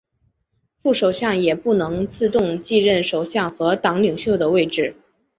副首相也不能自动继任首相和党领袖的位置。